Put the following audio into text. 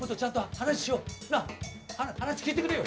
話聞いてくれよ。